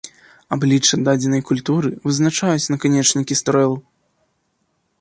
Аблічча дадзенай культуры вызначаюць наканечнікі стрэл.